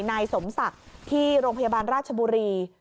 นายสมศักดิ์ที่โรงพยาบาลราชบุรี